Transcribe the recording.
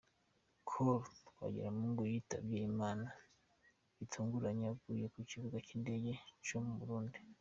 Col Twagiramungu yitabye Imana bitunguranye aguye ku kibuga cy’ indege cyo mu Burundi.